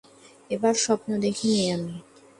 এবার স্বপ্ন দেখিনি আমি।